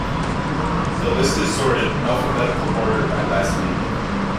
The list is sorted in alphabetical order by last name.